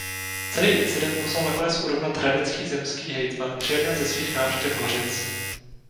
Celý incident musel nakonec urovnat hradecký zemský hejtman při jedné ze svých návštěv Hořic.